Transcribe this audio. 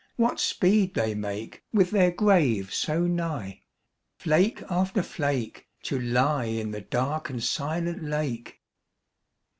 What speed they make, with their grave so nigh ; Flake after flake, To lie in the dark and silent lake